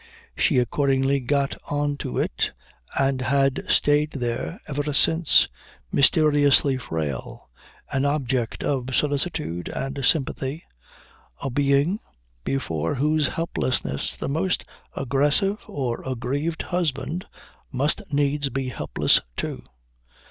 She accordingly got on to it and had stayed there ever since, mysteriously frail, an object of solicitude and sympathy, a being before whose helplessness the most aggressive or aggrieved husband must needs be helpless, too.